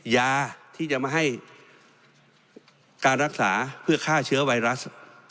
ยาที่จะมาให้การรักษาเพื่อฆ่าเชื้อไวรัส